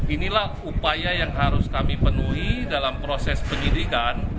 inilah upaya yang harus kami penuhi dalam proses penyidikan